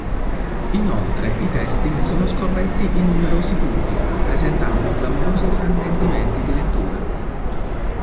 Inoltre i testi sono scorretti in numerosi punti presentando clamorosi fraintendimenti di lettura.